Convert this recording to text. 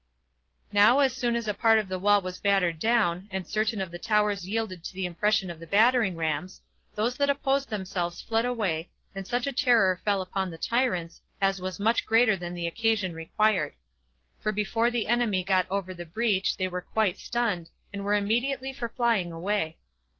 Now as soon as a part of the wall was battered down, and certain of the towers yielded to the impression of the battering rams, those that opposed themselves fled away, and such a terror fell upon the tyrants, as was much greater than the occasion required; for before the enemy got over the breach they were quite stunned, and were immediately for flying away.